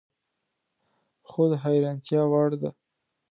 خو د حیرانتیا وړ ده